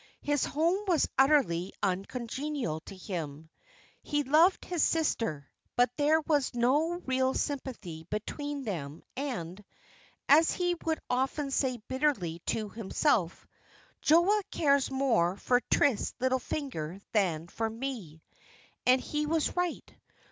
His home was utterly uncongenial to him. He loved his sister, but there was no real sympathy between them, and, as he would often say bitterly to himself, "Joa cares more for Trist's little finger than for me;" and he was right.